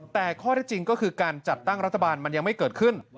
แต่ข้อที่จริงก็คือการจัดตั้งรัฐบาลมันยังไม่เกิดขึ้น